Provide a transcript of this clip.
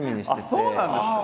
そうなんですか？